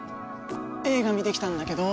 映画見てきたんだけど。